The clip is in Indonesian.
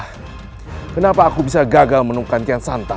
hai kenapa aku bisa gagal menunggankan santan